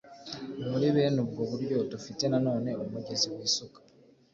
Ni muri bene ubwo buryo dufite na none umugezi wisuka